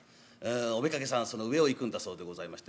お妾さんはその上をいくんだそうでございまして。